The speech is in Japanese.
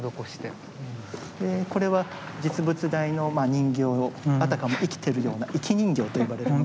これは実物大の人形をあたかも生きてるような生き人形と呼ばれる。